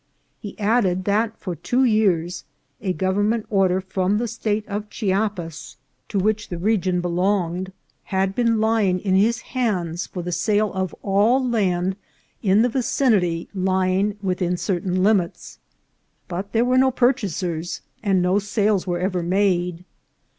He added, that for two years a government order from the State of Chiapas, to which the region VOL. II.— Z z 362 INCIDENTS OF TRAVEL. belonged, had been lying in his hands for the sale of all land in the vicinity lying within certain limits ; but there were no purchasers, and no sales were ever made.